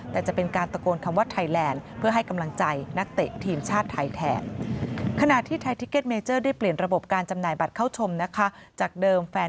แต่จะเป็นการตะโกนคำว่าไทยแลนด์